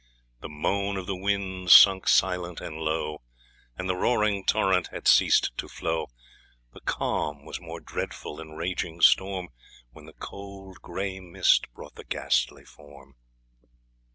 The moan of the wind sunk silent and low, And the roaring torrent had ceased to flow; The calm was more dreadful than raging storm, When the cold grey mist brought the ghastly Form!